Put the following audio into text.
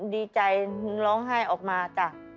ดีใจร้องไห้ออกมาจ้ะ